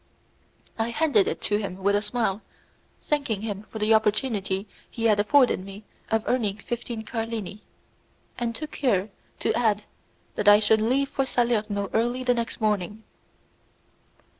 I handed it to him with a smile, thanking him for the opportunity he had afforded me of earning fifteen carlini, and took care to add that I should leave for Salerno early the next morning.